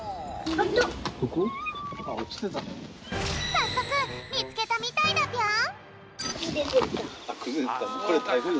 さっそくみつけたみたいだぴょん！